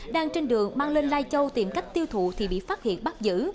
đang trên đường mang lên lai châu tìm cách tiêu thụ thì bị phát hiện bắt giữ